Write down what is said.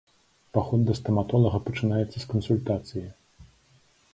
Паход да стаматолага пачынаецца з кансультацыі.